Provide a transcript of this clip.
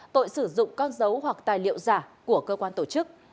tội sử dụng con dấu hoặc tài liệu giả của cơ quan tổ chức